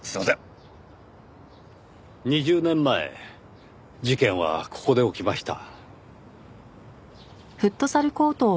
２０年前事件はここで起きました。